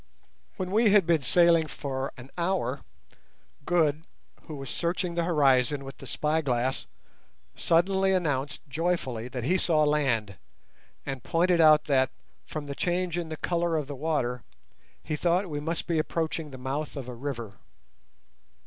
When we had been sailing for an hour, Good, who was searching the horizon with the spy glass, suddenly announced joyfully that he saw land, and pointed out that, from the change in the colour of the water, he thought we must be approaching the mouth of a river.